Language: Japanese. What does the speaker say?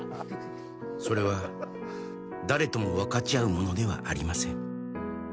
「それは誰とも分かちあうものではありません」